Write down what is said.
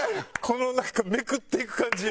このなんかめくっていく感じ。